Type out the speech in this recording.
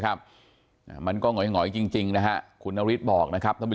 ครับมันก็หงอยจริงนะฮะคุณนฤทธิ์บอกนะครับท่านผู้